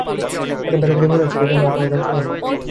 এখন তাকে দেখে মনে হয় চোখের জন্যে তার আর কোনো যন্ত্রণা নেই।